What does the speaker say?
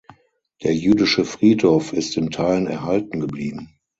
Der jüdische Friedhof ist in Teilen erhalten geblieben.